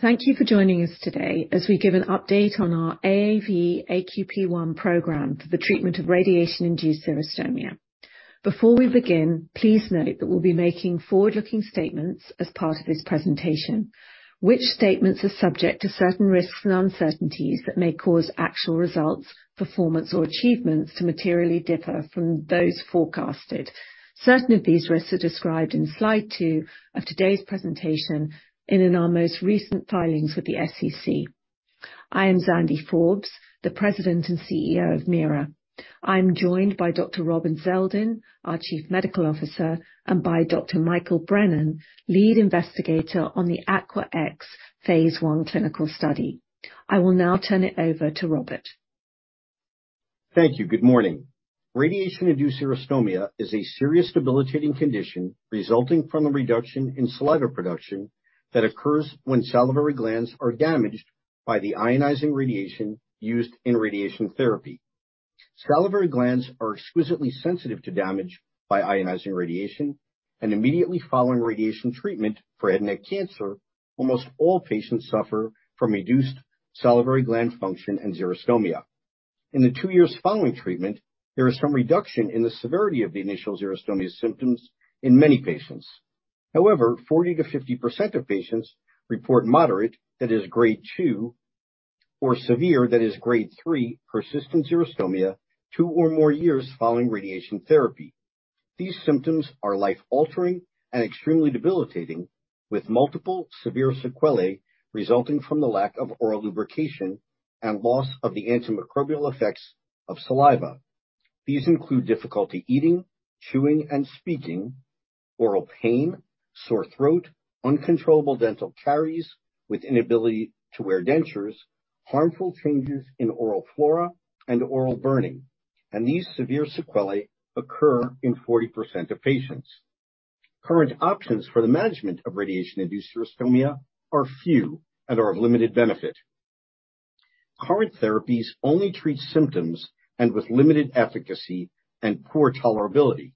Thank you for joining us today as we give an update on our AAV-AQP1 program for the treatment of Radiation-Induced xerostomia. Before we begin, please note that we'll be making forward-looking statements as part of this presentation, which statements are subject to certain risks and uncertainties that may cause actual results, performance, or achievements to materially differ from those forecasted. Certain of these risks are described in Slide 2 of today's presentation and in our most recent filings with the SEC. I am Alexandria Forbes, the President and CEO of MeiraGTx. I'm joined by Dr. Robert Zeldin, our Chief Medical Officer, and by Dr. Michael Brennan, lead investigator on the AQUAx clinical study. I will now turn it over to Robert. Thank you. Good morning. Radiation-Induced xerostomia is a serious debilitating condition resulting from a reduction in saliva production that occurs when salivary glands are damaged by the ionizing radiation used in radiation therapy. Salivary glands are exquisitely sensitive to damage by ionizing radiation, and immediately following radiation treatment for head and neck cancer, almost all patients suffer from reduced salivary gland function and xerostomia. In the 2 years following treatment, there is some reduction in the severity of the initial xerostomia symptoms in many patients. However, 40%-50% of patients report moderate, that is grade 2, or severe, that is grade 3, persistent xerostomia 2 or more years following radiation therapy. These symptoms are life-altering and extremely debilitating, with multiple severe sequelae resulting from the lack of oral lubrication and loss of the antimicrobial effects of saliva. These include difficulty eating, chewing, and speaking, oral pain, sore throat, uncontrollable dental caries with inability to wear dentures, harmful changes in oral flora and oral burning. These severe sequelae occur in 40% of patients. Current options for the management of Radiation-Induced xerostomia are few and are of limited benefit. Current therapies only treat symptoms and with limited efficacy and poor tolerability,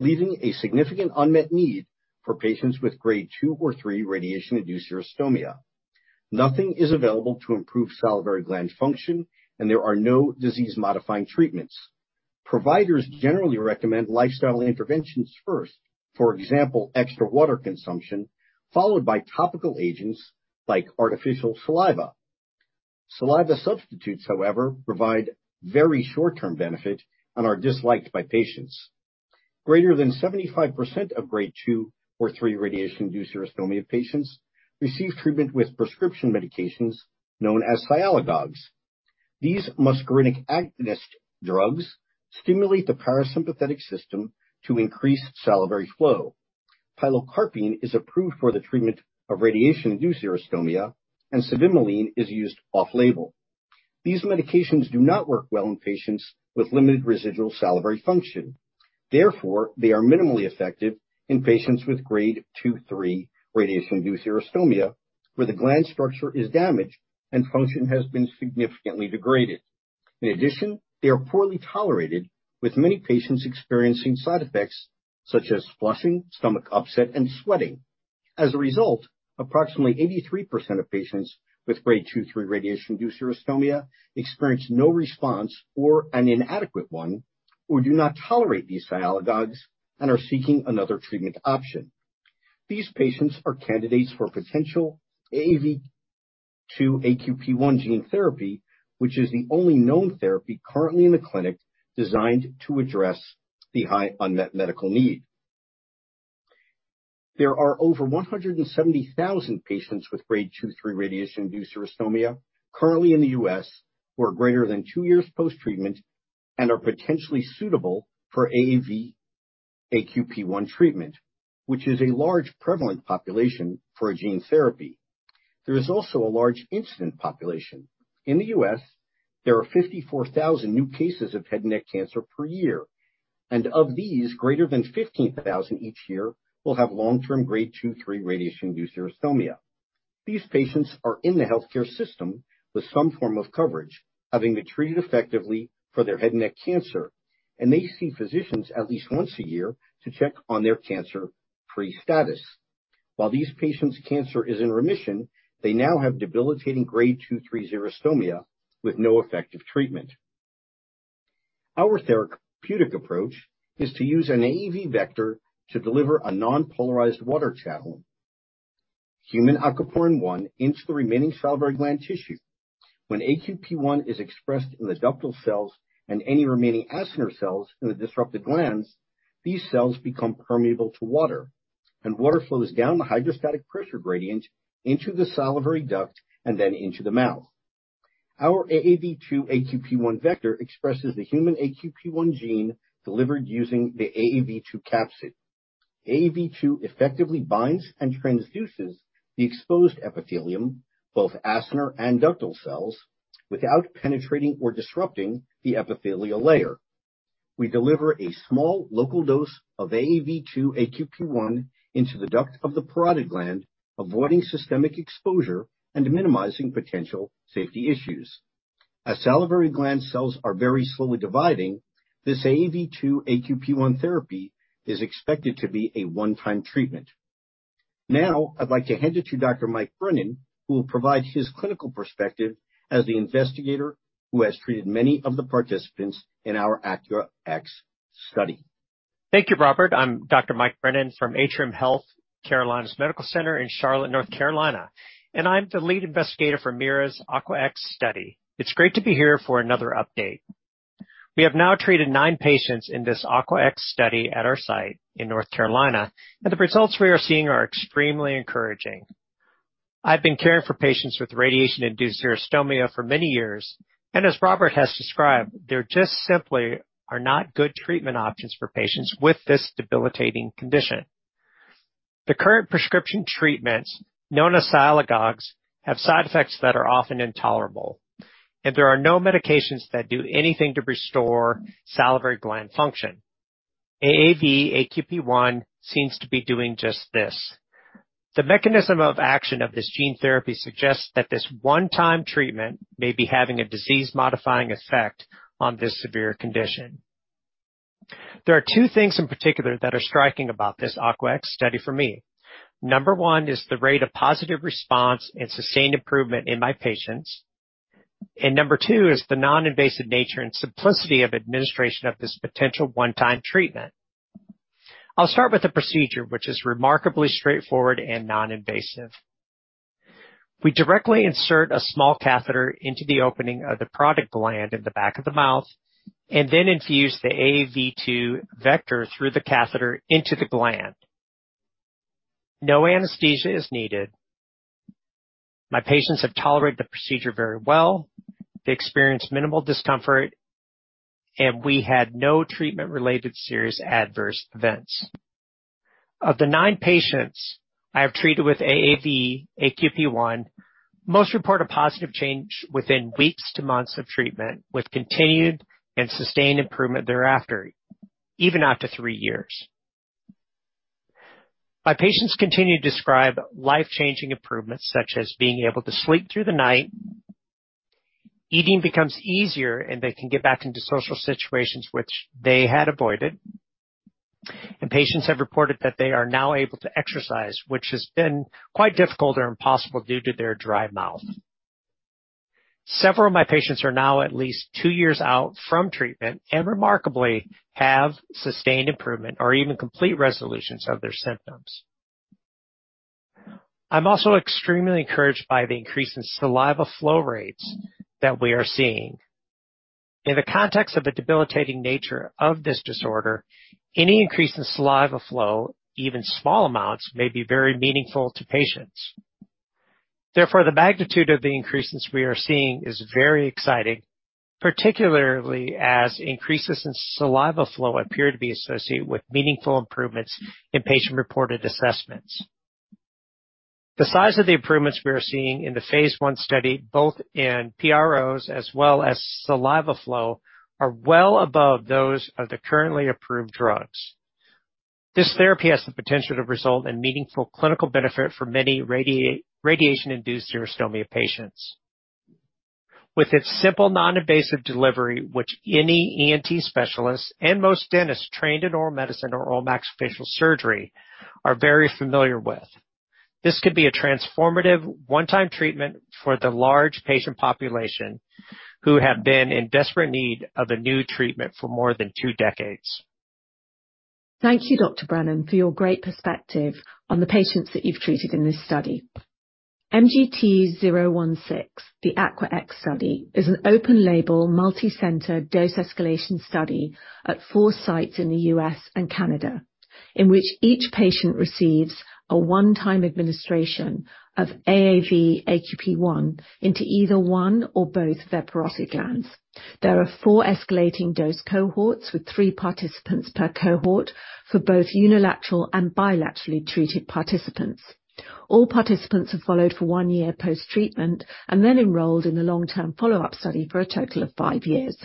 leaving a significant unmet need for patients with grade 2 or 3 Radiation-Induced xerostomia. Nothing is available to improve salivary gland function, and there are no disease-modifying treatments. Providers generally recommend lifestyle interventions first. For example, extra water consumption, followed by topical agents like artificial saliva. Saliva substitutes, however, provide very short-term benefit and are disliked by patients. Greater than 75% of grade 2 or 3 Radiation-Induced xerostomia patients receive treatment with prescription medications known as sialagogues. These muscarinic agonist drugs stimulate the parasympathetic system to increase salivary flow. Pilocarpine is approved for the treatment of Radiation-Induced xerostomia, and cevimeline is used off-label. These medications do not work well in patients with limited residual salivary function. Therefore, they are minimally effective in patients with grade 2/3 Radiation-Induced xerostomia, where the gland structure is damaged, and function has been significantly degraded. In addition, they are poorly tolerated, with many patients experiencing side effects such as flushing, stomach upset, and sweating. As a result, approximately 83% of patients with grade 2/3 Radiation-Induced xerostomia experience no response or an inadequate one, or do not tolerate these sialagogues and are seeking another treatment option. These patients are candidates for potential AAV2-AQP1 gene therapy, which is the only known therapy currently in the clinic designed to address the high unmet medical need. There are over 170,000 patients with grade 2/3 Radiation-Induced xerostomia currently in the U.S. who are greater than 2 years Post-Treatment and are potentially suitable for AAV-AQP1 treatment, which is a large prevalent population for a gene therapy. There is also a large incident population. In the U.S., there are 54,000 new cases of head and neck cancer per year. Of these, greater than 15,000 each year will have Long-Term grade 2/3 Radiation-Induced xerostomia. These patients are in the healthcare system with some form of coverage, having been treated effectively for their head and neck cancer. They see physicians at least once a year to check on their Cancer-Free status. While these patients' cancer is in remission, they now have debilitating grade 2/3 xerostomia with no effective treatment. Our therapeutic approach is to use an AAV vector to deliver a non-polarized water channel. Human aquaporin-1 into the remaining salivary gland tissue. When AQP1 is expressed in the ductal cells and any remaining acinar cells in the disrupted glands, these cells become permeable to water, and water flows down the hydrostatic pressure gradient into the salivary duct and then into the mouth. Our AAV2-AQP1 vector expresses the human AQP1 gene delivered using the AAV2 capsid. AAV2 effectively binds and transduces the exposed epithelium, both acinar and ductal cells, without penetrating or disrupting the epithelial layer. We deliver a small local dose of AAV2-AQP1 into the duct of the parotid gland, avoiding systemic exposure and minimizing potential safety issues. As salivary gland cells are very slowly dividing, this AAV2 AQP1 therapy is expected to be a One-Time treatment. I'd like to hand it to Dr. Michael Brennan, who will provide his clinical perspective as the investigator who has treated many of the participants in our AQUAx study. Thank you, Robert. I'm Dr. Michael Brennan from Atrium Health Carolinas Medical Center in Charlotte, North Carolina, and I'm the lead investigator for Meira's AQUAx study. It's great to be here for another update. We have now treated nine patients in this AQUAx study at our site in North Carolina, and the results we are seeing are extremely encouraging. I've been caring for patients with Radiation-Induced xerostomia for many years. As Robert has described, there just simply are not good treatment options for patients with this debilitating condition. The current prescription treatments, known as sialogogues, have side effects that are often intolerable, and there are no medications that do anything to restore salivary gland function. AAV-AQP1 seems to be doing just this. The mechanism of action of this gene therapy suggests that this One-Time treatment may be having a disease-modifying effect on this severe condition. There are 2 things in particular that are striking about this AQUAx study for me. Number 1 is the rate of positive response and sustained improvement in my patients. Number 2 is the Non-Inversive nature and simplicity of administration of this potential One-Time treatment. I'll start with the procedure, which is remarkably straightforward and Non-Invasive. We directly insert a small catheter into the opening of the parotid gland in the back of the mouth, and then infuse the AAV2 vector through the catheter into the gland. No anesthesia is needed. My patients have tolerated the procedure very well. They experience minimal discomfort, and we had no treatment-related serious adverse events. Of the 9 patients I have treated with AAV-AQP1, most report a positive change within weeks to months of treatment, with continued and sustained improvement thereafter, even after 3 years. My patients continue to describe Life-Changing improvements, such as being able to sleep through the night. Eating becomes easier and they can get back into social situations which they had avoided. Patients have reported that they are now able to exercise, which has been quite difficult or impossible due to their dry mouth. Several of my patients are now at least 2 years out from treatment and remarkably have sustained improvement or even complete resolutions of their symptoms. I am also extremely encouraged by the increase in saliva flow rates that we are seeing. In the context of the debilitating nature of this disorder, any increase in saliva flow, even small amounts, may be very meaningful to patients. Therefore, the magnitude of the increases we are seeing is very exciting, particularly as increases in saliva flow appear to be associated with meaningful improvements in patient-reported assessments. The size of the improvements we are seeing in the phase 1 study, both in PROs as well as saliva flow, are well above those of the currently approved drugs. This therapy has the potential to result in meaningful clinical benefit for many Radiation-Induced xerostomia patients. With its simple Non-Invasive delivery, which any ENT specialist and most dentists trained in oral medicine or oral maxillofacial surgery are very familiar with, this could be a transformative One-Time treatment for the large patient population who have been in desperate need of a new treatment for more than 2 decades. Thank you, Dr. Brennan, for your great perspective on the patients that you've treated in this study. MGT016, the AQUAx study, is an Open-Label, Multi-Center dose escalation study at four sites in the U.S. and Canada, in which each patient receives a One-Time administration of AAV-AQP1 into either one or both their parotid glands. There are four escalating dose cohorts with 3 participants per cohort for both unilateral and bilaterally treated participants. All participants are followed for one year Post-Treatment and then enrolled in the Long-Term Follow-Up study for a total of 5 years.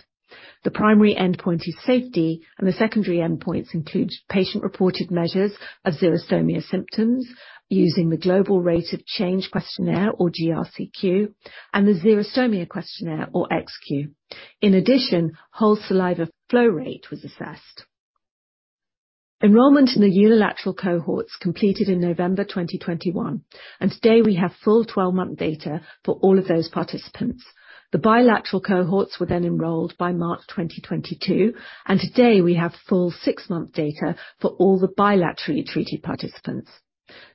The primary endpoint is safety, and the secondary endpoints include Patient-Reported measures of xerostomia symptoms using the Global Rate of Change questionnaire or GRCQ and the Xerostomia Questionnaire or XQ. In addition, whole saliva flow rate was assessed. Enrollment in the unilateral cohorts completed in November 2021. Today we have full 12-month data for all of those participants. The bilateral cohorts were enrolled by March 2022. Today we have full 6-month data for all the bilaterally treated participants.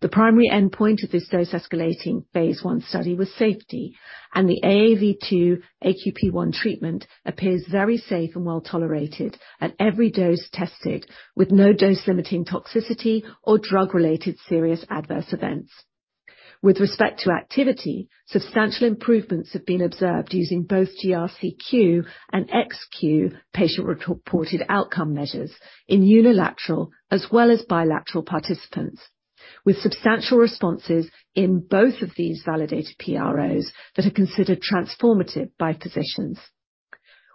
The primary endpoint of this Dose-escalating phase 1 study was safety. The AAV2 AQP1 treatment appears very safe and well-tolerated at every dose tested, with no Dose-Limiting toxicity or drug-related serious adverse events. With respect to activity, substantial improvements have been observed using both GRCQ and XQ patient-reported outcome measures in unilateral as well as bilateral participants, with substantial responses in both of these validated PROs that are considered transformative by physicians.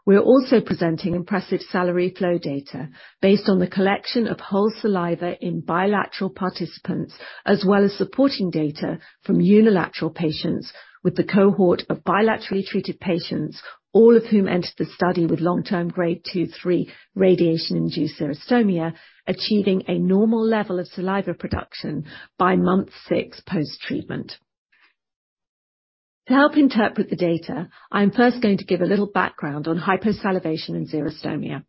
We're also presenting impressive salivary flow data based on the collection of whole saliva in bilateral participants, as well as supporting data from unilateral patients with the cohort of bilaterally treated patients, all of whom entered the study with Long-Term grade 2/3 Radiation-Induced xerostomia, achieving a normal level of saliva production by month 6 post-treatment. To help interpret the data, I'm first going to give a little background on hyposalivation and xerostomia.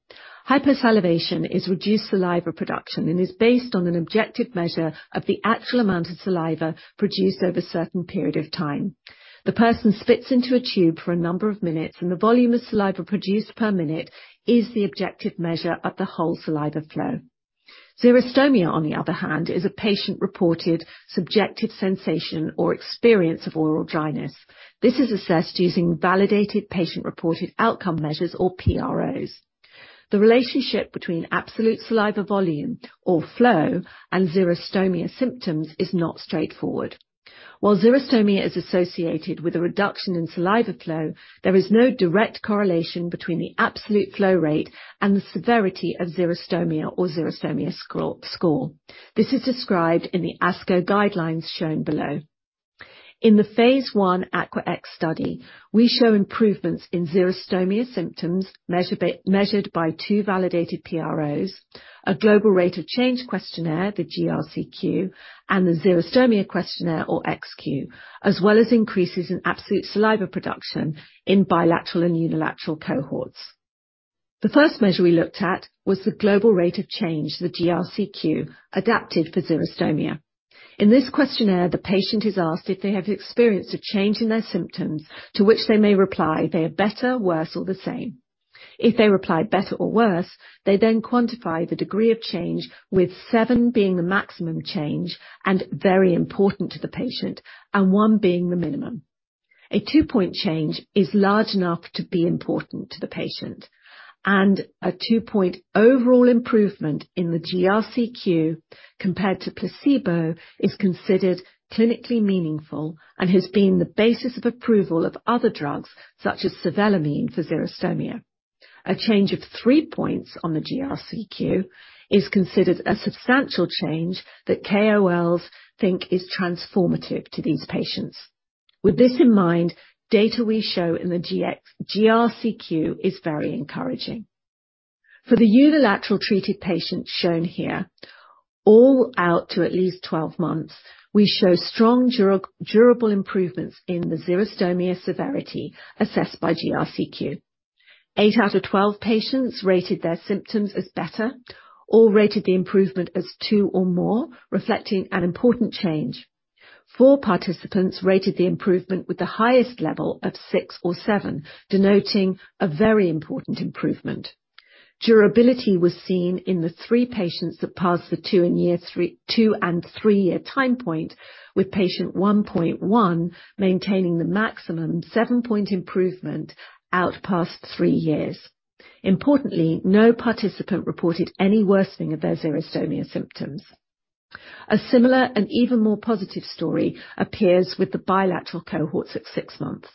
Hyposalivation is reduced saliva production and is based on an objective measure of the actual amount of saliva produced over a certain period of time. The person spits into a tube for a number of minutes, and the volume of saliva produced per minute is the objective measure of the whole saliva flow. Xerostomia, on the other hand, is a patient-reported subjective sensation or experience of oral dryness. This is assessed using validated patient-reported outcome measures or PROs. The relationship between absolute saliva volume or flow and xerostomia symptoms is not straightforward. While xerostomia is associated with a reduction in saliva flow, there is no direct correlation between the absolute flow rate and the severity of xerostomia or xerostomia score. This is described in the ASCO guidelines shown below. In the phase 1 AQUAx study, we show improvements in xerostomia symptoms measured by 2 validated PROs, a Global Rate of Change questionnaire, the GRCQ, and the Xerostomia Questionnaire, or XQ, as well as increases in absolute saliva production in bilateral and unilateral cohorts. The first measure we looked at was the Global Rate of Change, the GRCQ, adapted for xerostomia. In this questionnaire, the patient is asked if they have experienced a change in their symptoms, to which they may reply they are better, worse, or the same. If they reply better or worse, they then quantify the degree of change, with 7 being the maximum change and very important to the patient, and one being the minimum. A 2-point change is large enough to be important to the patient, and a 2-point overall improvement in the GRCQ compared to placebo is considered clinically meaningful and has been the basis of approval of other drugs such as cevimeline for xerostomia. A change of 3 points on the GRCQ is considered a substantial change that KOLs think is transformative to these patients. With this in mind, data we show in the GRCQ is very encouraging. For the unilateral treated patients shown here, all out to at least 12 months, we show strong durable improvements in the xerostomia severity assessed by GRCQ. 8 out of 12 patients rated their symptoms as better, all rated the improvement as 2 or more, reflecting an important change. 4 participants rated the improvement with the highest level of 6 or 7, denoting a very important improvement. Durability was seen in the 3 patients that passed the 2 and 3-year time point, with patient 1.1 maintaining the maximum 7-point improvement out past 3 years. No participant reported any worsening of their xerostomia symptoms. A similar and even more positive story appears with the bilateral cohorts at 6 months.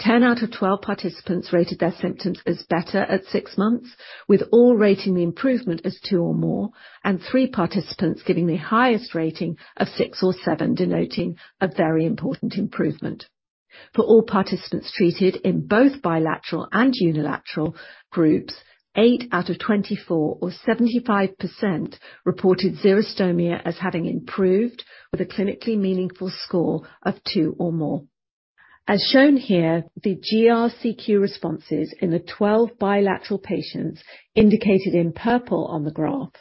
10 out of 12 participants rated their symptoms as better at 6 months, with all rating the improvement as 2 or more, and 3 participants giving the highest rating of 6 or 7, denoting a very important improvement. For all participants treated in both bilateral and unilateral groups, eight out of 24 or 75% reported xerostomia as having improved with a clinically meaningful score of 2 or more. As shown here, the GRCQ responses in the 12 bilateral patients, indicated in purple on the graph,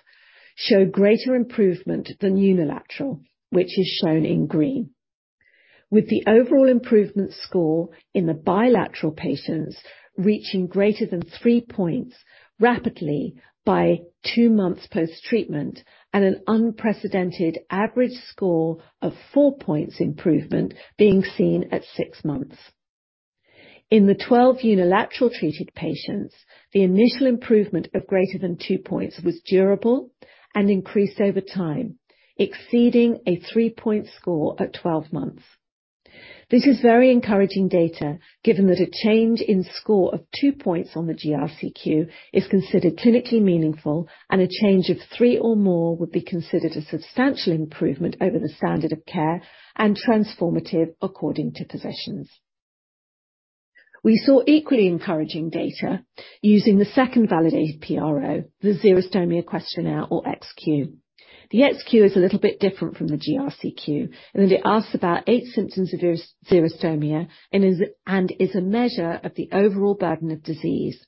show greater improvement than unilateral, which is shown in green. With the overall improvement score in the bilateral patients reaching greater than 3 points rapidly by 2 months post-treatment, and an unprecedented average score of four points improvement being seen at 6 months. In the 12 unilateral treated patients, the initial improvement of greater than 2 points was durable and increased over time, exceeding a 3-point score at 12 months. This is very encouraging data, given that a change in score of 2 points on the GRCQ is considered clinically meaningful, and a change of 3 or more would be considered a substantial improvement over the standard of care and transformative according to physicians. We saw equally encouraging data using the second validated PRO, the Xerostomia Questionnaire or XQ. The XQ is a little bit different from the GRCQ in that it asks about 8 symptoms of xerostomia and is a measure of the overall burden of disease.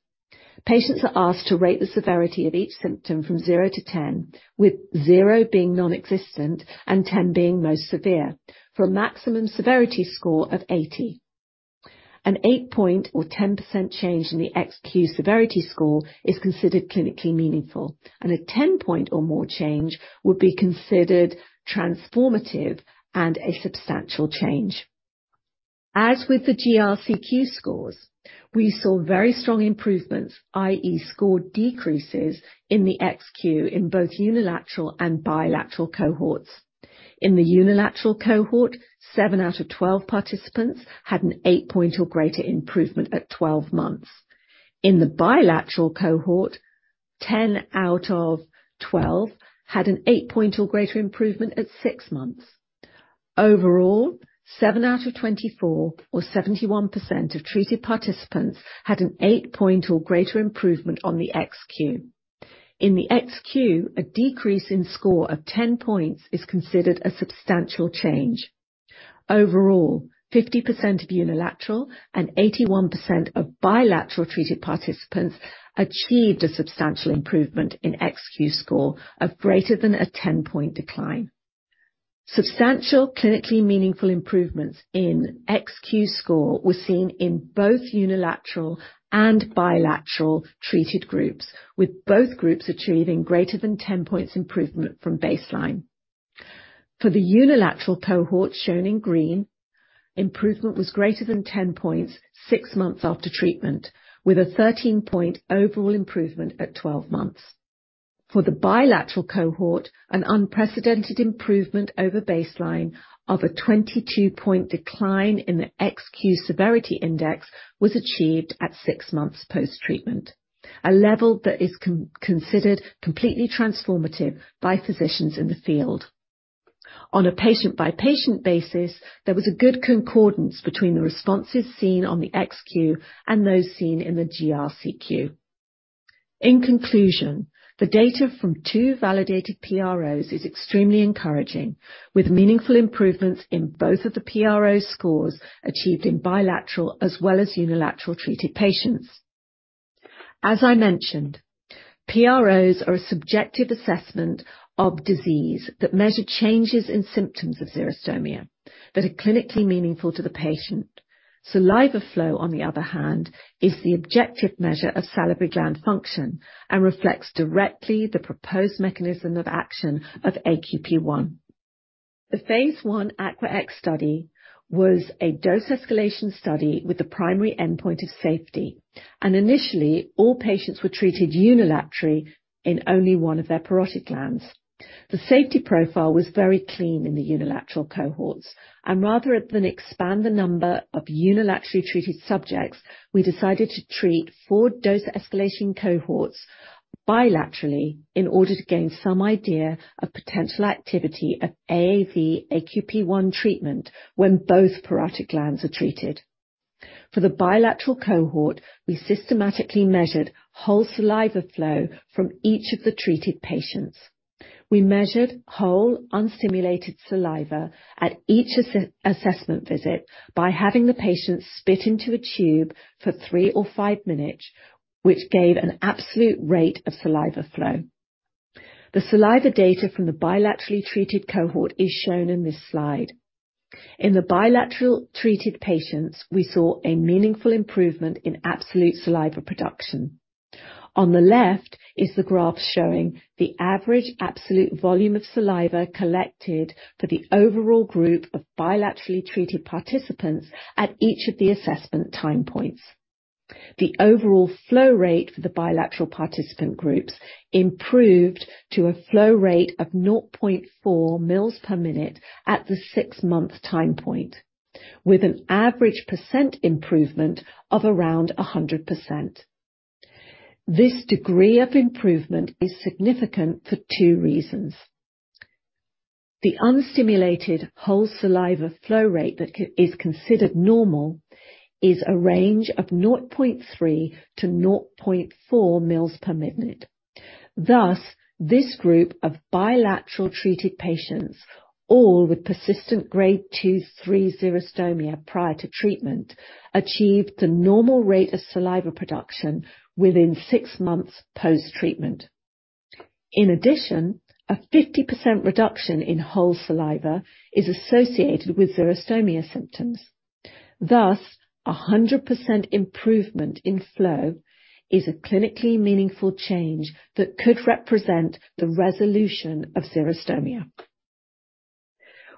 Patients are asked to rate the severity of each symptom from 0 to 10, with 0 being nonexistent and 10 being most severe, for a maximum severity score of 80. An 8-point or 10% change in the XQ severity score is considered clinically meaningful. A 10-point or more change would be considered transformative and a substantial change. As with the GRCQ scores, we saw very strong improvements, i.e. score decreases in the XQ in both unilateral and bilateral cohorts. In the unilateral cohort, 7 out of 12 participants had an 8-point or greater improvement at 12 months. In the bilateral cohort. 10 out of 12 had an 8-point or greater improvement at 6 months. Overall, 7 out of 24 or 71% of treated participants had an 8-point or greater improvement on the XQ. In the XQ, a decrease in score of 10 points is considered a substantial change. Overall, 50% of unilateral and 81% of bilateral treated participants achieved a substantial improvement in XQ score of greater than a 10-point decline. Substantial clinically meaningful improvements in XQ score were seen in both unilateral and bilateral treated groups, with both groups achieving greater than 10 points improvement from baseline. For the unilateral cohort shown in green, improvement was greater than 10 points 6 months after treatment, with a 13-point overall improvement at 12 months. For the bilateral cohort, an unprecedented improvement over baseline of a 22-point decline in the XQ severity index was achieved at 6 months Post-Treatment, a level that is considered completely transformative by physicians in the field. On a Patient-By-Patient basis, there was a good concordance between the responses seen on the XQ and those seen in the GRCQ. In conclusion, the data from 2 validated PROs is extremely encouraging, with meaningful improvements in both of the PRO scores achieved in bilateral as well as unilateral treated patients. As I mentioned, PROs are a subjective assessment of disease that measure changes in symptoms of xerostomia that are clinically meaningful to the patient. Saliva flow, on the other hand, is the objective measure of salivary gland function and reflects directly the proposed mechanism of action of AQP1. The phase 1 AQUAx study was a dose escalation study with the primary endpoint of safety, and initially, all patients were treated unilaterally in only one of their parotid glands. The safety profile was very clean in the unilateral cohorts, and rather than expand the number of unilaterally treated subjects, we decided to treat four dose escalation cohorts bilaterally in order to gain some idea of potential activity of AAV-AQP1 treatment when both parotid glands are treated. For the bilateral cohort, we systematically measured whole saliva flow from each of the treated patients. We measured whole unstimulated saliva at each assessment visit by having the patient spit into a tube for 3 or 5 minutes, which gave an absolute rate of saliva flow. The saliva data from the bilaterally treated cohort is shown in this Slide. In the bilateral treated patients, we saw a meaningful improvement in absolute saliva production. On the left is the graph showing the average absolute volume of saliva collected for the overall group of bilaterally treated participants at each of the assessment time points. The overall flow rate for the bilateral participant groups improved to a flow rate of 0.4 mils per minute at the 6-month time point, with an average percent improvement of around 100%. This degree of improvement is significant for 2 reasons. The unstimulated whole saliva flow rate that is considered normal is a range of 0.3-0.4 mL per minute. This group of bilateral treated patients, all with persistent grade 2/3 xerostomia prior to treatment, achieved the normal rate of saliva production within 6 months Post-Treatment. A 50% reduction in whole saliva is associated with xerostomia symptoms. A 100% improvement in flow is a clinically meaningful change that could represent the resolution of xerostomia.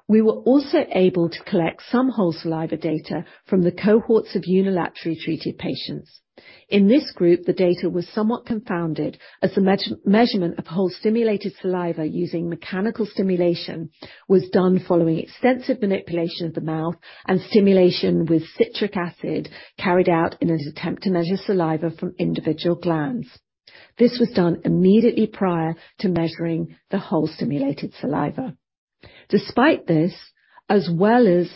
We were also able to collect some whole saliva data from the cohorts of unilaterally treated patients. In this group, the data was somewhat confounded as the measurement of whole stimulated saliva using mechanical stimulation was done following extensive manipulation of the mouth and stimulation with citric acid carried out in an attempt to measure saliva from individual glands. This was done immediately prior to measuring the whole stimulated saliva. Despite this, as well as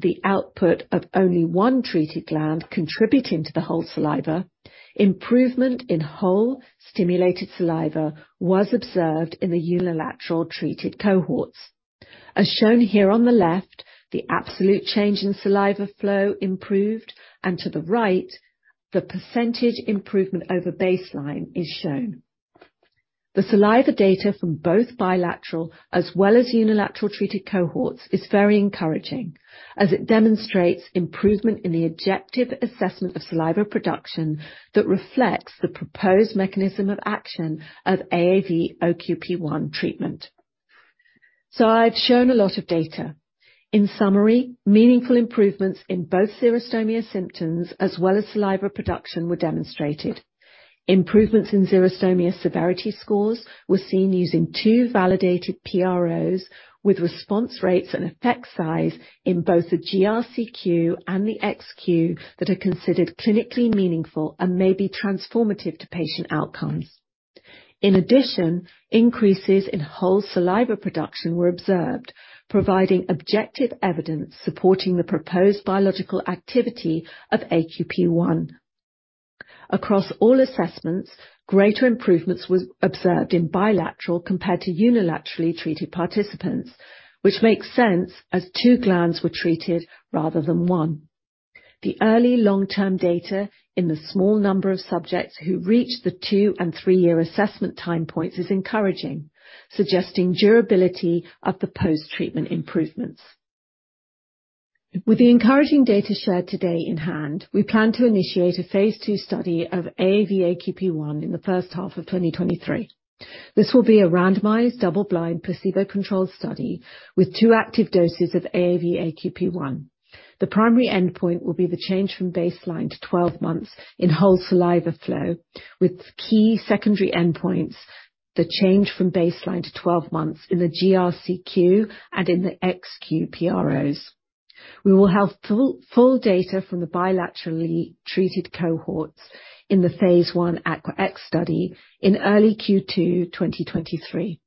the output of only 1 treated gland contributing to the whole saliva, improvement in whole stimulated saliva was observed in the unilaterally treated cohorts. As shown here on the left, the absolute change in saliva flow improved, and to the right, the percentage improvement over baseline is shown. The saliva data from both bilateral as well as unilaterally treated cohorts is very encouraging as it demonstrates improvement in the objective assessment of saliva production that reflects the proposed mechanism of action of AAV AQP1 treatment. I've shown a lot of data. In summary, meaningful improvements in both xerostomia symptoms as well as saliva production were demonstrated. Improvements in xerostomia severity scores were seen using 2 validated PROs with response rates and effect size in both the GRCQ and the XQ that are considered clinically meaningful and may be transformative to patient outcomes. Increases in whole saliva production were observed, providing objective evidence supporting the proposed biological activity of AQP1. Across all assessments, greater improvements was observed in bilateral compared to unilaterally treated participants, which makes sense as 2 glands were treated rather than 1. The early Long-Term data in the small number of subjects who reached the 2 and 3-year assessment time points is encouraging, suggesting durability of the post-treatment improvements. With the encouraging data shared today in hand, we plan to initiate a phase 2 study of AAV-AQP1 in the first 1/2 of 2023. This will be a randomized, Double-Blind, Placebo-Controlled study with 2 active doses of AAV-AQP1. The primary endpoint will be the change from baseline to 12 months in whole saliva flow, with key secondary endpoints, the change from baseline to 12 months in the GRCQ and in the XQ PROs. We will have full data from the bilaterally treated cohorts in the phase 1 AQUAx study in early Q2 2023.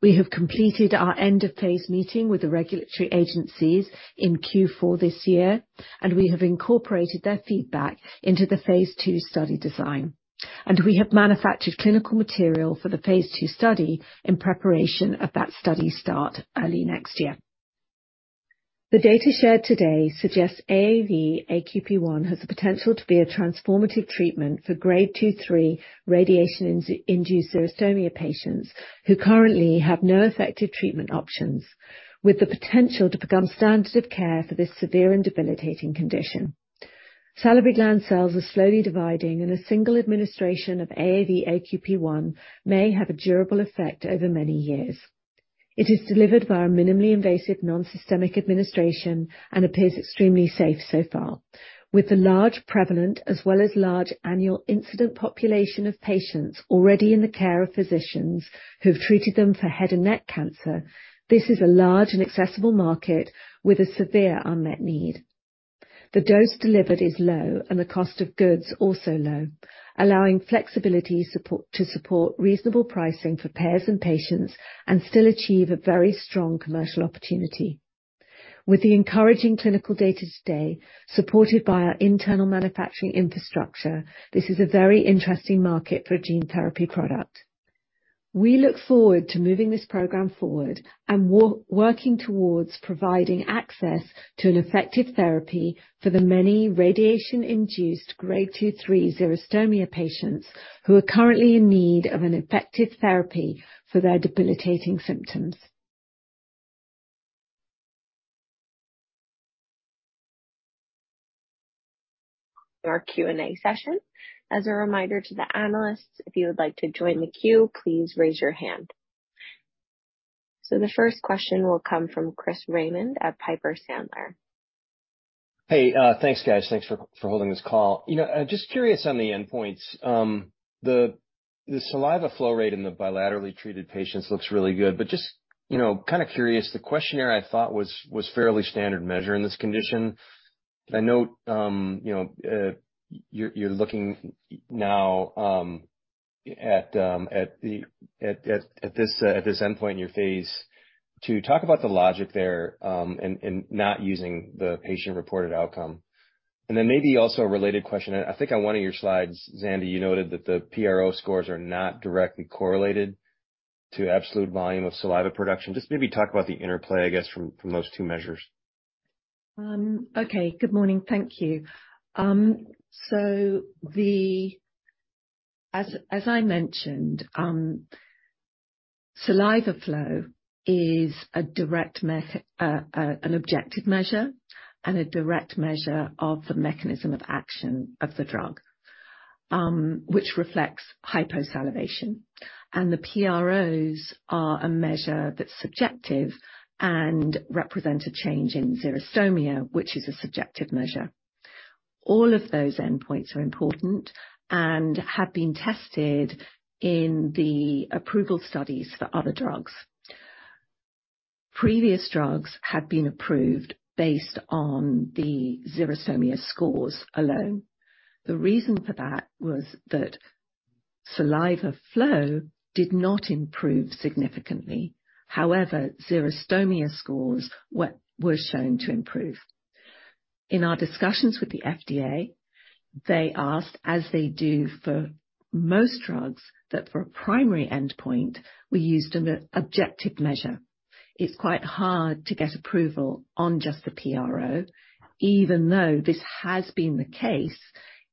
We have completed our end of phase meeting with the regulatory agencies in Q4 this year. We have incorporated their feedback into the phase 2 study design. We have manufactured clinical material for the phase 2 study in preparation of that study start early next year. The data shared today suggests AAV-AQP1 has the potential to be a transformative treatment for grade 2/3 Radiation-Induced xerostomia patients who currently have no effective treatment options, with the potential to become standard care for this severe and debilitating condition. Salivary gland cells are slowly dividing, and a single administration of AAV-AQP1 may have a durable effect over many years. It is delivered via a minimally invasive non-systemic administration and appears extremely safe so far. With the large prevalent as well as large annual incident population of patients already in the care of physicians who have treated them for head and neck cancer, this is a large and accessible market with a severe unmet need. The dose delivered is low and the cost of goods also low, allowing flexibility to support reasonable pricing for payers and patients and still achieve a very strong commercial opportunity. With the encouraging clinical data today, supported by our internal manufacturing infrastructure, this is a very interesting market for a gene therapy product. We look forward to moving this program forward and working towards providing access to an effective therapy for the many Radiation-Induced grade 2/3 xerostomia patients who are currently in need of an effective therapy for their debilitating symptoms. Our Q&A session. As a reminder to the analysts, if you would like to join the queue, please raise your hand. The first question will come from Chris Raymond at Piper Sandler. Hey, thanks, guys. Thanks for holding this call. You know, just curious on the endpoints. The saliva flow rate in the bilaterally treated patients looks really good. Just, you know, kinda curious, the questionnaire I thought was fairly standard measure in this condition. I know, you know, you're looking now at this endpoint in your phase. To talk about the logic there, in not using the patient-reported outcome. Then maybe also a related question. I think on one of your Slides, Zanda, you noted that the PRO scores are not directly correlated to absolute volume of saliva production. Just maybe talk about the interplay, I guess, from those 2 measures. Okay. Good morning. Thank you. As I mentioned, salivary flow is an objective measure and a direct measure of the mechanism of action of the drug, which reflects hyposalivation. The PROs are a measure that's subjective and represent a change in xerostomia, which is a subjective measure. All of those endpoints are important and have been tested in the approval studies for other drugs. Previous drugs had been approved based on the xerostomia scores alone. The reason for that was that salivary flow did not improve significantly. Xerostomia scores were shown to improve. In our discussions with the FDA, they asked, as they do for most drugs, that for a primary endpoint, we used an objective measure. It's quite hard to get approval on just the PRO, even though this has been the case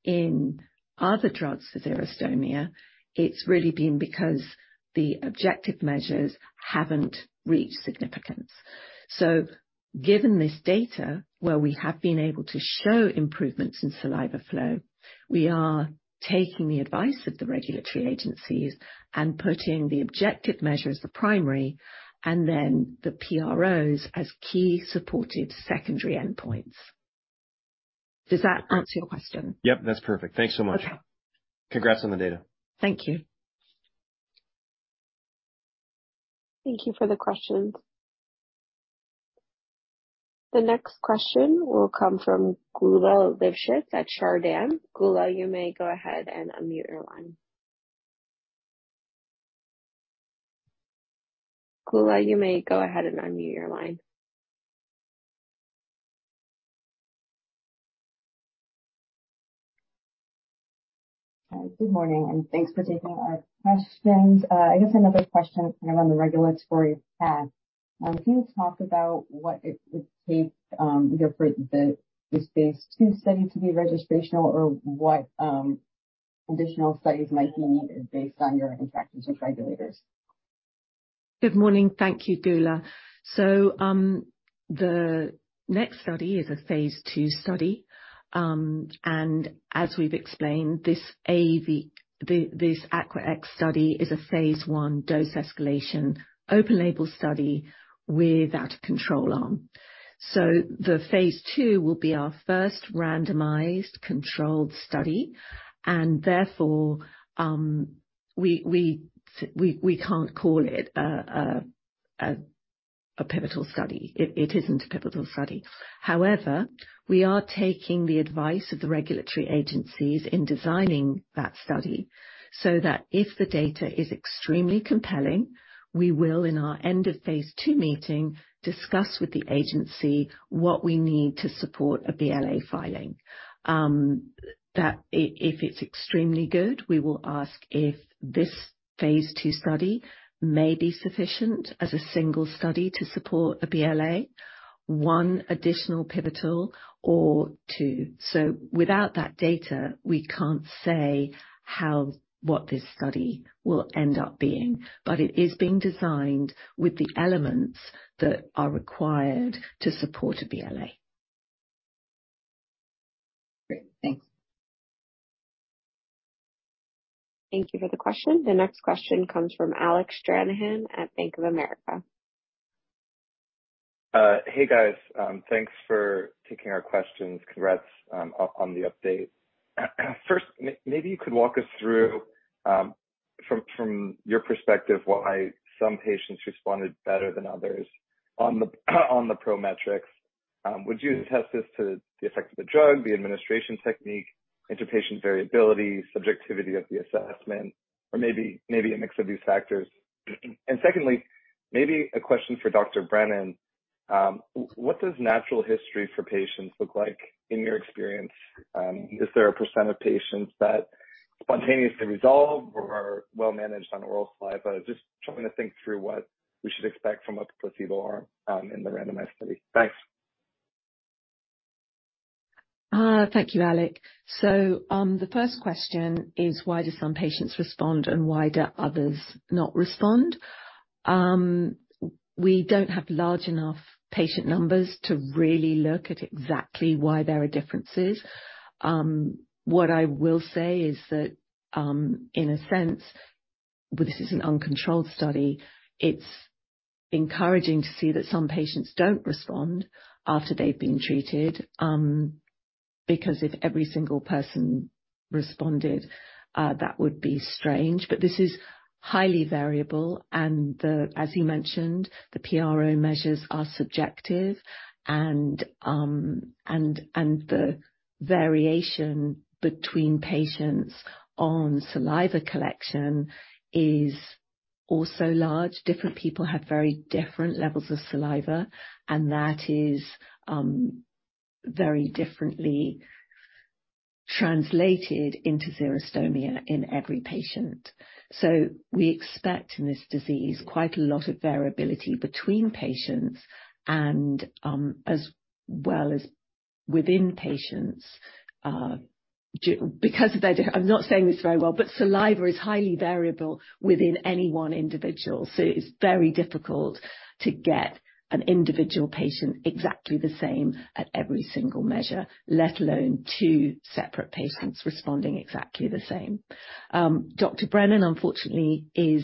in other drugs for xerostomia. It's really been because the objective measures haven't reached significance. Given this data, where we have been able to show improvements in saliva flow, we are taking the advice of the regulatory agencies and putting the objective measure as the primary and then the PROs as key supported secondary endpoints. Does that answer your question? Yep, that's perfect. Thanks so much. Okay. Congrats on the data. Thank you. Thank you for the questions. The next question will come from Geulah Livshits at Chardan. Geulah, you may go ahead and unmute your line. All right. Good morning, and thanks for taking our questions. I guess another question kind of on the regulatory path. Can you talk about what it would take, you know, for this phase 2 study to be registrational or what additional studies might be needed based on your interactions with regulators? Good morning. Thank you, Geulah. The next study is a phase 2 study. As we've explained, this AQUAx study is a phase 1 dose escalation open label study without a control arm. The phase 2 will be our first randomized controlled study, and therefore, we can't call it a pivotal study. It isn't a pivotal study. However, we are taking the advice of the regulatory agencies in designing that study so that if the data is extremely compelling, we will, in our end of phase 2 meeting, discuss with the agency what we need to support a BLA filing. If it's extremely good, we will ask if this phase 2 study may be sufficient as a single study to support a BLA, one additional pivotal or 2. Without that data, we can't say how, what this study will end up being. It is being designed with the elements that are required to support a BLA. Great. Thanks. Thank you for the question. The next question comes from Alec Stranahan at Bank of America. Hey, guys. Thanks for taking our questions. Congrats on the update. First, maybe you could walk us through, from your perspective, why some patients responded better than others on the PRO metrics. Would you attest this to the effect of the drug, the administration technique, Inter-Patient variability, subjectivity of the assessment, or maybe a mix of these factors? Secondly, maybe a question for Dr. Brennan. What does natural history for patients look like in your experience? Is there a % of patients that spontaneously resolve or are well managed on oral saliva? Just trying to think through what we should expect from a placebo arm, in the randomized study. Thanks. Thank you, Alec. The first question is why do some patients respond and why do others not respond? We don't have large enough patient numbers to really look at exactly why there are differences. What I will say is that, in a sense, well, this is an uncontrolled study. It's encouraging to see that some patients don't respond after they've been treated, because if every single person responded, that would be strange. This is highly variable, and, as you mentioned, the PRO measures are subjective and the variation between patients on saliva collection is also large. Different people have very different levels of saliva, and that is very differently translated into xerostomia in every patient. We expect in this disease quite a lot of variability between patients and, as well as within patients because of their... I'm not saying this very well, but saliva is highly variable within any one individual, so it is very difficult to get an individual patient exactly the same at every single measure, let alone 2 separate patients responding exactly the same. Dr. Brennan unfortunately is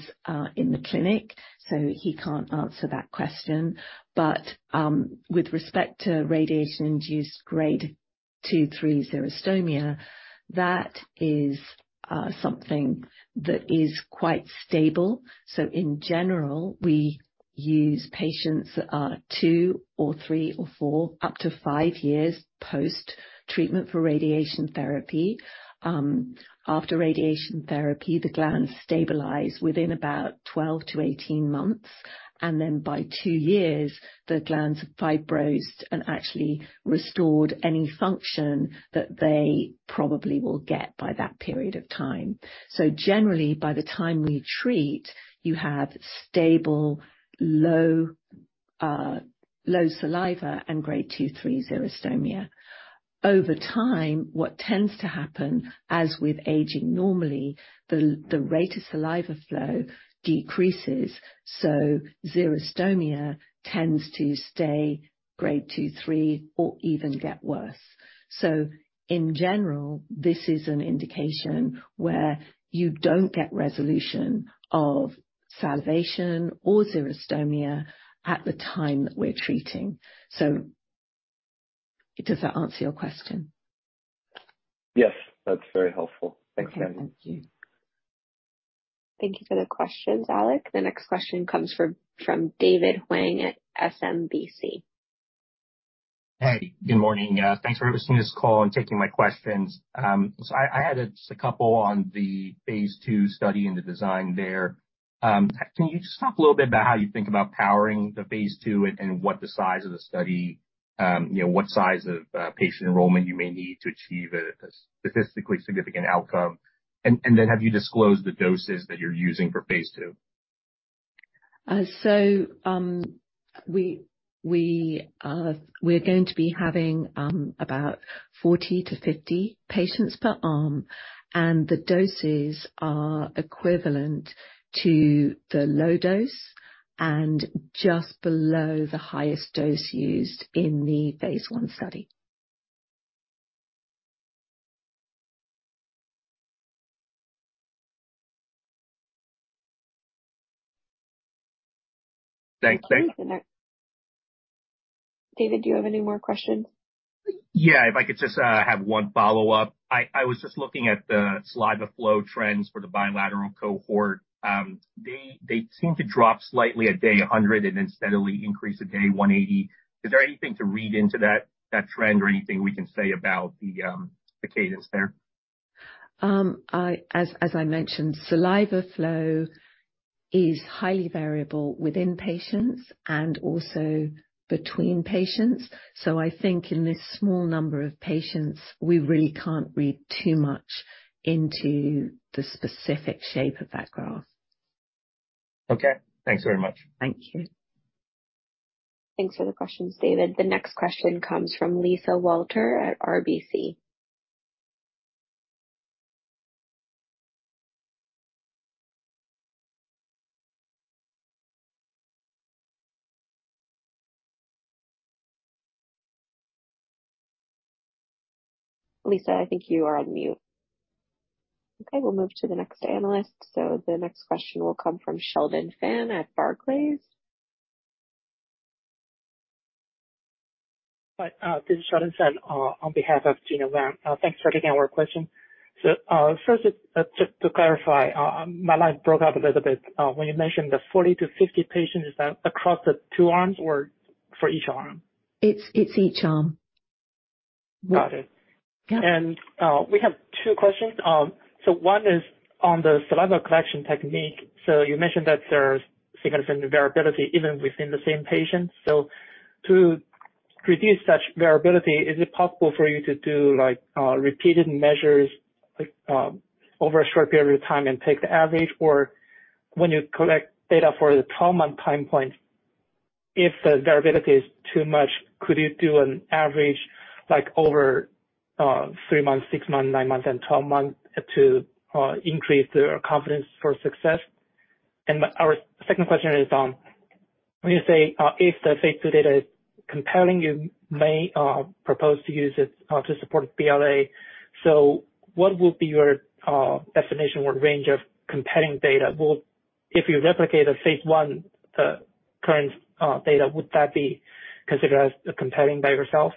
in the clinic, so he can't answer that question. With respect to Radiation-Induced grade 2, 3 xerostomia, that is something that is quite stable. In general, we use patients that are 2 or 3 or four, up to 5 years post-treatment for radiation therapy. After radiation therapy, the glands stabilize within about 12-18 months, and then by 2 years the glands have fibrosed and actually restored any function that they probably will get by that period of time. Generally by the time we treat, you have stable low, low saliva and grade 2, 3 xerostomia. Over time, what tends to happen as with aging normally, the rate of saliva flow decreases, so xerostomia tends to stay grade 2, 3 or even get worse. In general, this is an indication where you don't get resolution of salivation or xerostomia at the time that we're treating. Does that answer your question? Yes, that's very helpful. Thanks, Nancy. Okay, thank you. Thank you for the questions, Alec. The next question comes from David Hwang at SMBC Nikko. Hey, good morning. Thanks for hosting this call and taking my questions. I had a couple on the phase 2 study and the design there. Can you just talk a little bit about how you think about powering the phase 2 and what the size of the study, you know, what size of patient enrollment you may need to achieve a statistically significant outcome? Then have you disclosed the doses that you're using for phase 2? We're going to be having about 40-50 patients per arm, and the doses are equivalent to the low dose and just below the highest dose used in the phase 1 study. Thanks. David, do you have any more questions? If I could just have one follow-up. I was just looking at the salivary flow trends for the bilateral cohort. They seem to drop slightly at day 100 and then steadily increase at day 180. Is there anything to read into that trend or anything we can say about the cadence there? As I mentioned, saliva flow is highly variable within patients and also between patients. I think in this small number of patients, we really can't read too much into the specific shape of that graph. Okay, thanks very much. Thank you. Thanks for the questions, David. The next question comes from Tessa Romero at RBC. Lisa, I think you are on mute. Okay, we'll move to the next analyst. The next question will come from Xinchen Fan at Barclays. Hi, this is Xinchen Fan, on behalf of Gena Wang. Thanks for taking our question. First, just to clarify, my line broke up a little bit, when you mentioned the 40 to 50 patients. Is that across the 2 arms or for each arm? It's each arm. Got it. Yeah. We have 2 questions. One is on the saliva collection technique. You mentioned that there's significant variability even within the same patient. To reduce such variability, is it possible for you to do, like, repeated measures, like, over a short period of time and take the average? When you collect data for the 12-month time point, if the variability is too much, could you do an average like over 3 months, 6 months, 9 months, and 12 months to increase the confidence for success? Our second question is, when you say if the phase 2 data is compelling, you may propose to use it to support BLA. What would be your definition or range of compelling data? If you replicate a phase I, the current data, would that be considered as compelling by yourself?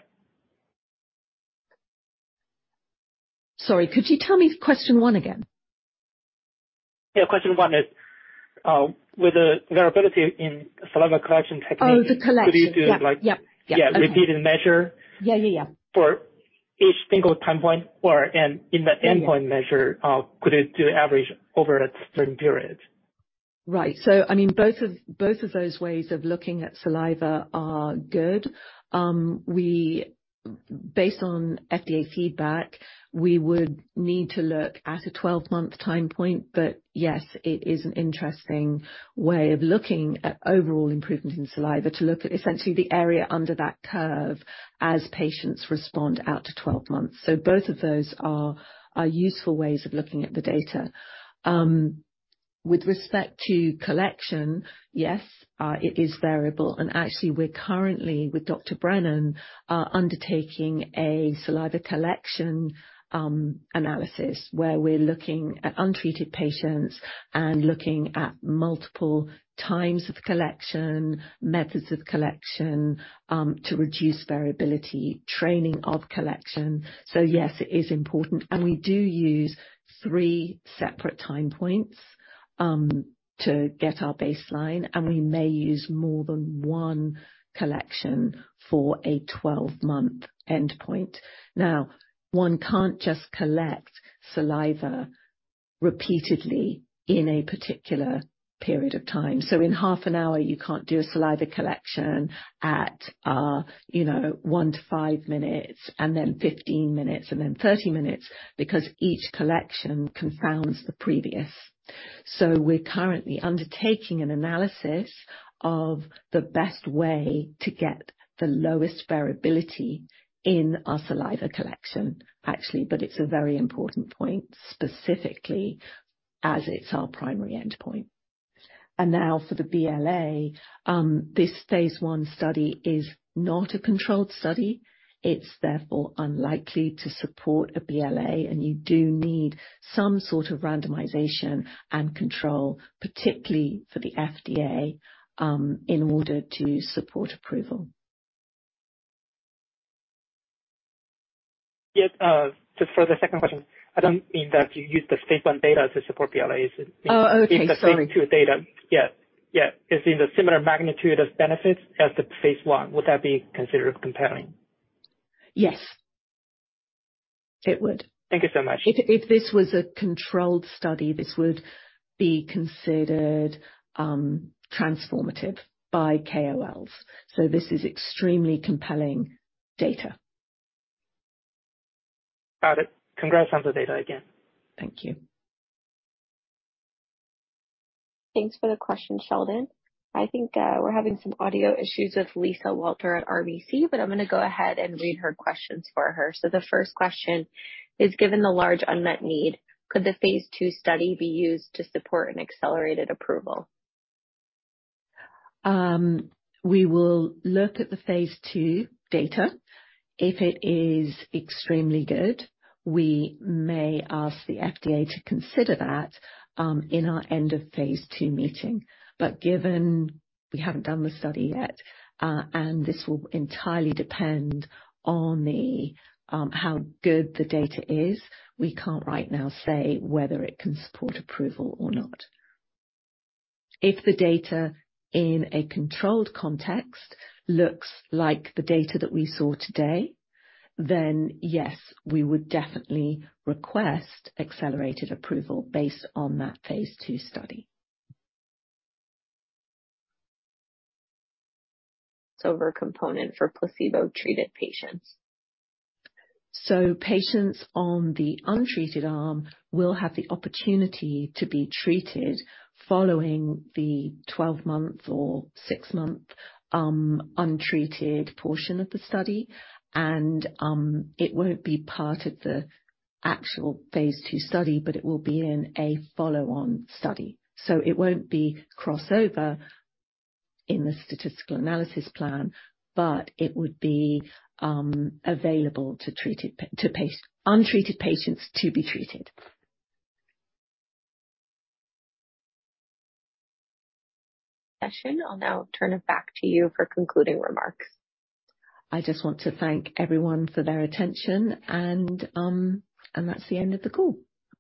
Sorry, could you tell me question 1 again? Yeah. Question one is, with the variability in saliva collection techniques- Oh, the collection. Could you do, like- Yep. Yeah, repeated. Yeah, yeah. For each single time point? Or, Yeah, yeah. Endpoint measure, could you do average over a certain period? Right. I mean, both of those ways of looking at saliva are good. Based on FDA feedback, we would need to look at a 12-Month time point. Yes, it is an interesting way of looking at overall improvement in saliva to look at essentially the area under that curve as patients respond out to 12 months. Both of those are useful ways of looking at the data. With respect to collection, yes, it is variable. Actually we're currently with Dr. Brennan, are undertaking a saliva collection analysis where we're looking at untreated patients and looking at multiple times of collection, methods of collection, to reduce variability, training of collection. Yes, it is important. We do use 3 separate time points to get our baseline, and we may use more than 1 collection for a 12-Month endpoint. Now, one can't just collect saliva repeatedly in a particular period of time. In 1/2 an hour you can't do a saliva collection at, you know, 1 to 5 minutes and then 15 minutes and then 30 minutes because each collection confounds the previous. We're currently undertaking an analysis of the best way to get the lowest variability in our saliva collection, actually. It's a very important point, specifically as it's our primary endpoint. Now for the BLA. This phase 1 study is not a controlled study. It's therefore unlikely to support a BLA, and you do need some sort of randomization and control, particularly for the FDA, in order to support approval. Yeah. just for the second question. I don't mean that you use the phase 1 data to support BLAs. Oh, okay. Sorry. In the phase 2 data. Yeah. Is in the similar magnitude of benefits as the phase 1. Would that be considered compelling? Yes, it would. Thank you so much. If this was a controlled study, this would be considered transformative by KOLs. This is extremely compelling data. Got it. Congrats on the data again. Thank you. Thanks for the question, Sheldon. I think we're having some audio issues with Lisa Walter at RBC, I'm gonna go ahead and read her questions for her. The first question is, given the large unmet need, could the phase 2 study be used to support an accelerated approval? We will look at the phase 2 data. If it is extremely good, we may ask the FDA to consider that in our end of phase 2 meeting. Given we haven't done the study yet, and this will entirely depend on the how good the data is. We can't right now say whether it can support approval or not. If the data in a controlled context looks like the data that we saw today, then yes, we would definitely request accelerated approval based on that phase 2 study. Crossover component for placebo-treated patients. Patients on the untreated arm will have the opportunity to be treated following the 12 month or 6 month untreated portion of the study. It won't be part of the actual phase 2 study, but it will be in a follow-on study. It won't be crossover in the statistical analysis plan, but it would be available to untreated patients to be treated. Session. I'll now turn it back to you for concluding remarks. I just want to thank everyone for their attention and that's the end of the call.